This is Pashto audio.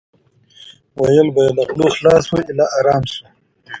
ویل به یې له غلو خلاص شو ایله ارام شو.